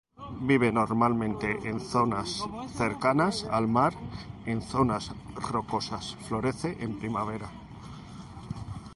Vive normalmente en zonas cercanas al mar en zonas rocosas, florece en primavera.